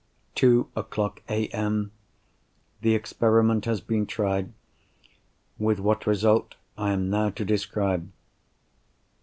Two o'clock A.M.—The experiment has been tried. With what result, I am now to describe.